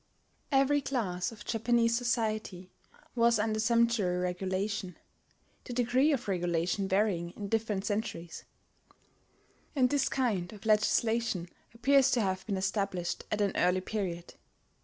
Every class of Japanese society was under sumptuary regulation, the degree of regulation varying in different centuries; and this kind of legislation appears to have been established at an early period.